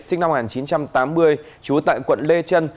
sinh năm một nghìn chín trăm tám mươi trú tại quận lê trân